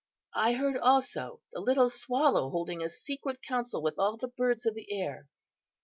I heard, also, the little Swallow holding a secret council with all the birds of the air.